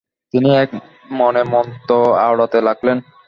তিনি একমনে মন্ত্র আওড়াতে লাগলেন।